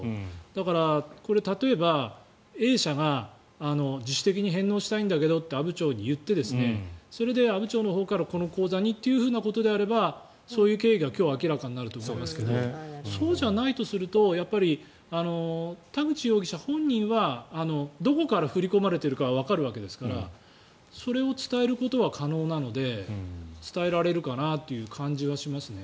だから、例えば、Ａ社が自主的に返納したいんだけどと阿武町に言ってそれで阿武町のほうからこの口座にというのであればその経緯が今日明らかになると思いますけどそうじゃないとすると田口容疑者本人はどこから振り込まれているかはわかるわけですからそれを伝えることは可能なので伝えられるかなという感じはしますね。